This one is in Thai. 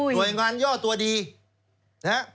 โดยงานย่อตัวดีนะฮะ